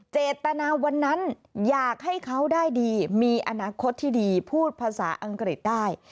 เจตนาวันนั้นอยากให้เขาได้ดีมีอนาคตที่ดีพูดภาษาอังกฤษได้